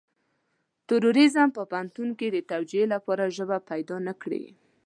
تروريزم په پوهنتون کې د توجيه لپاره ژبه پيدا نه کړي.